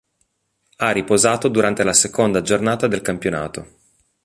Ha riposato durante la seconda giornata del campionato.